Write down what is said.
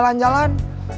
lagi di jalan jalan